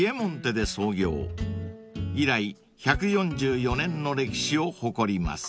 ［以来１４４年の歴史を誇ります］